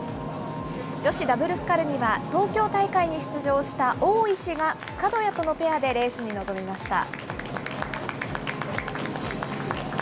女子ダブルスカルには東京大会に出場した大石が角谷とのペアでレースに臨みました。